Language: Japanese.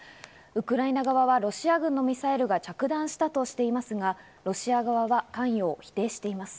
ウクライナ側はロシア軍のミサイルが着弾したとしていますが、ロシア側は関与を否定しています。